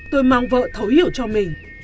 tôi mong vợ thấu hiểu cho mình